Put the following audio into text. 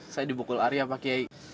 saya dibukul arya pak gai